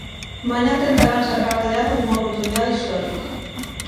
Mañá tentarán sacar tallada dunha oportunidade histórica.